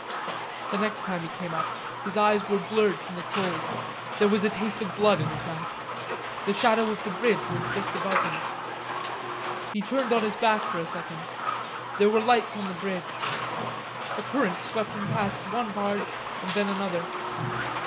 The next time he came up, his eyes were blurred from the cold. There was a taste of blood in his mouth. The shadow of the bridge was just above him. He turned on his back for a second. There were lights on the bridge. A current swept him past one barge and then another.